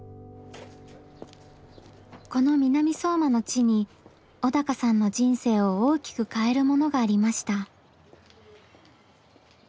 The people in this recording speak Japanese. この南相馬の地に小鷹さんの人生を大きく変えるものがありました。